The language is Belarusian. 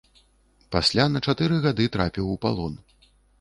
Пасля на чатыры гады трапіў у палон.